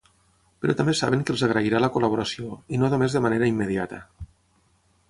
Però també saben que els agrairà la col·laboració, i no només de manera immediata.